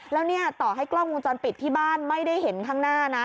แล้วต่อให้กล้องมุมจรปิดที่บ้านไม่ได้เห็นทางหน้านะ